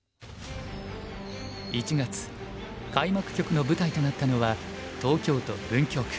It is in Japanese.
１月開幕局の舞台となったのは東京都文京区。